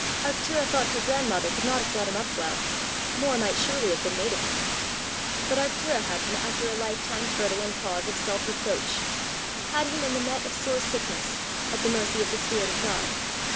Arctura thought her grandmother could not have brought him up well; more might surely have been made of him. But Arctura had him after a lifetime fertile in cause of self reproach, had him in the net of sore sickness, at the mercy of the spirit of God.